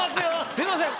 すみません。